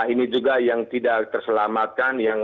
ini juga yang tidak terselamatkan